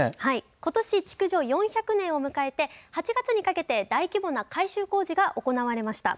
ことし築城４００年を迎えて８月にかけて大規模な改修工事が行われました。